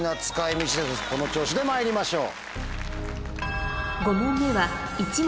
この調子でまいりましょう。